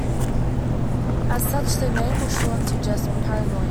As such, the name was shortened to just "Paranoia".